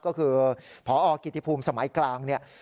ก็คือพอกิติภูมิสมัยกลางเนี่ย